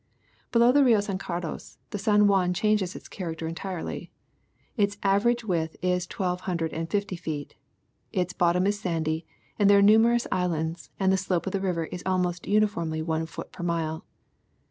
Below the Rio San Carlos the San Juan changes its character entirely. Its average width is twelve hundred and fifty feet, its bottom is sandy, there are numerous islands, and the slope of the river is almost uniformly one foot per mile.